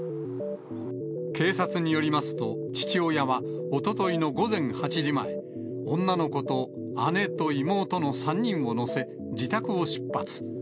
警察によりますと、父親はおとといの午前８時前、女の子と姉と妹の３人を乗せ、自宅を出発。